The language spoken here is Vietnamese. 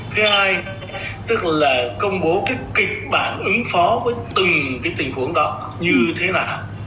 thứ hai tức là công bố cái kịch bản ứng phó với từng tình huống đó như thế nào